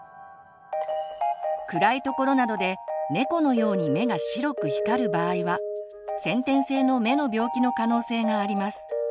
暗いところなどで猫のように目が白く光る場合は先天性の目の病気の可能性があります。